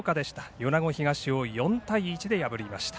米子東を４対１で破りました。